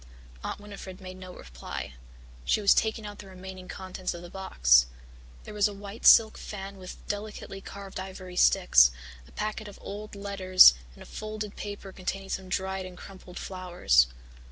Aunt Winnifred made no reply she was taking out the remaining contents of the box. There was a white silk fan with delicately carved ivory sticks, a packet of old letters and a folded paper containing some dried and crumpled flowers.